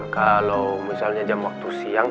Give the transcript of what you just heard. kalau misalnya jam waktu siang